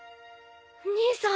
兄さん